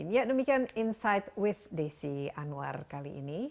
ya demikian insight with desi anwar kali ini